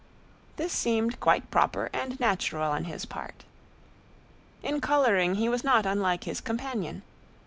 This seemed quite proper and natural on his part. In coloring he was not unlike his companion.